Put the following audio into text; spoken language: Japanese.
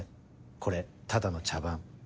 これただの茶番。